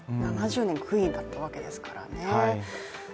７０年間「Ｑｕｅｅｎ」だったわけですからね。